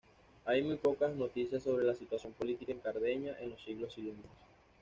Hay muy pocas noticias sobre la situación política en Cerdeña en los siglos siguientes.